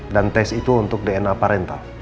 dan tes itu untuk dna parental